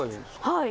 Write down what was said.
はい。